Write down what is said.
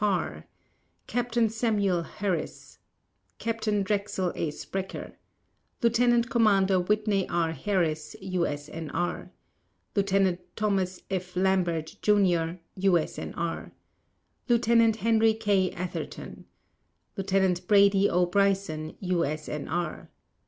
Farr Captain Samuel Harris Captain Drexel A. Sprecher Lieutenant Commander Whitney R. Harris, U.S.N.R. Lieutenant Thomas F. Lambert, Jr., U.S.N.R. Lieutenant Henry K. Atherton Lieutenant Brady O. Bryson, U.S.N.R.